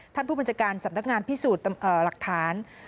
ผู้บัญชาการสำนักงานพิสูจน์หลักฐาน